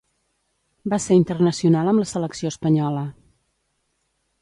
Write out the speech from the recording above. Va ser internacional amb la selecció espanyola.